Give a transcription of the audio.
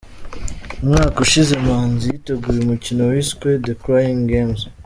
Umwaka ushize Manzi yateguye umukino wiswe 'The Crying Games'.